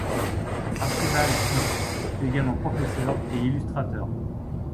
Archibald Knox fut également professeur et illustrateur.